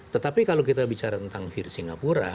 tetapi kalau kita bicara tentang versi singapura